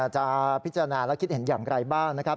จะพิจารณาและคิดเห็นอย่างไรบ้างนะครับ